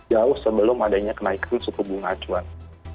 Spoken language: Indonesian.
jauh sebelum adanya kenaikan suku bunga acuan